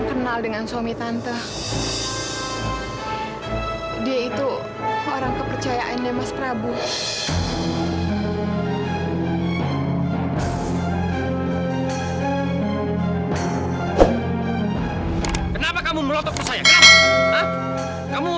jangan macam macam ya